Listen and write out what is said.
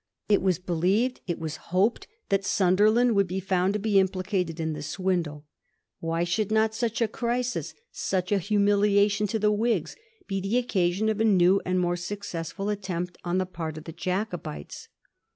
It was believed, it was hoped, that Sunder land would be found to be implicated in the swindle. Why should not such a crisis, such a humiliation to the Whigs, be the occasion of a new and a more suc <5essM attempt on the part of the Jacobites